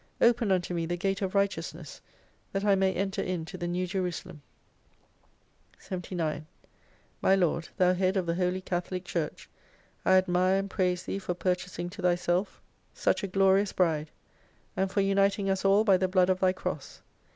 Open unto me the Gate of Righteousness, that I may enter in to the New Jerusalem. 79 My Lord, Thou head of the Holy Catholic Church, I admire and praise Thee for purchasing to Thyself such 58 a glorious Bride : and for uniting us all by the blood of Thy Cross.